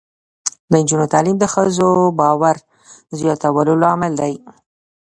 د نجونو تعلیم د ښځو باور زیاتولو لامل دی.